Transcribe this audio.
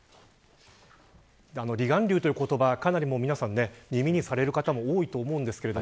離岸流という言葉かなり皆さん耳にされる方も多いと思います。